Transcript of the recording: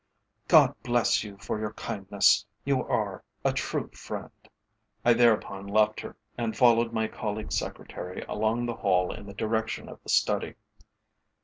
"God bless you for your kindness! You are a true friend." I thereupon left her, and followed my colleague's secretary along the hall in the direction of the study.